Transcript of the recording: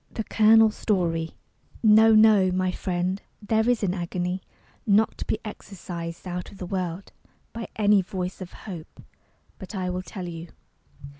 THE COLONEL'S STORY No, no, my friend; there is an agony Not to be exorcised out of the world By any voice of hope. But, I will tell you.